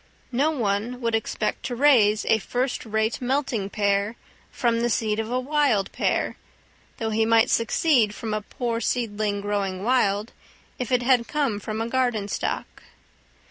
No one would expect to raise a first rate melting pear from the seed of a wild pear, though he might succeed from a poor seedling growing wild, if it had come from a garden stock.